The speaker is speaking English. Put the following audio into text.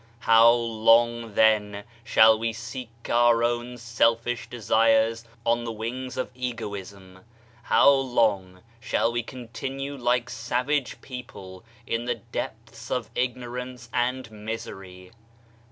How long then shall we seek our own selfish desires on the wings of egoism? How long shall we continue like savage people in the depths of ignorance and misery?